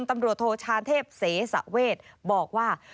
ตำรวจโทชาเทพเสสะเวทบอกว่า